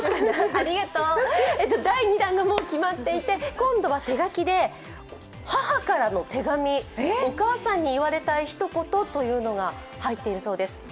第２弾がもう決まっていて、今度は手書きで母からの手紙、お母さんに言われたい一言というのが入っているそうです。